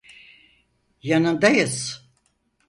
Yanındayız.